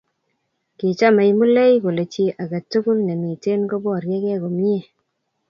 Kimochei Mulee kole chii age tugul chii agetugul ne miten koboriekei komie.